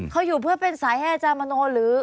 เขาอยู่เพื่อเป็นสายให้อาจารย์มโนหรือ